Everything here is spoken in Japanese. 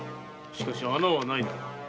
しかし穴はないな？